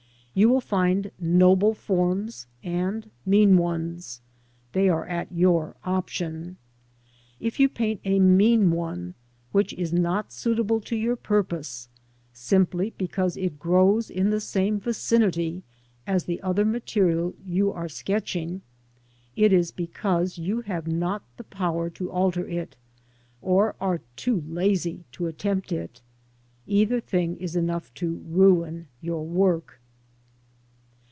You will find noble forms and mean ones; they are at your option. If you paint a mean one which is not suitable to your purpose, simply because it grows in the same vicinity as the other material you are sketching, it is because you have not the power to alter it, or are too lazy to attempt it: either thing is enough to ruin your work.